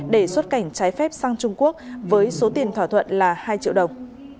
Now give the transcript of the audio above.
để xuất cảnh trái phép sang trung quốc với số tiền thỏa thuận là hai triệu đồng